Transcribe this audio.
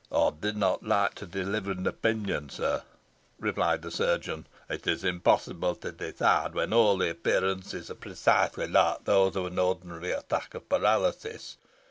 "I do not like to deliver an opinion, sir," replied the chirurgeon. "It is impossible to decide, when all the appearances are precisely like those of an ordinary attack of paralysis.